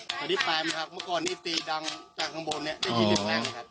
ตอนนี้ปลายไหมครับเมื่อก่อนนี้ตีดังจากข้างบนเนี่ยได้ยินนั่งครับ